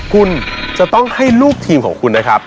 คุณจะต้องให้ลูกทีมของคุณนะครับ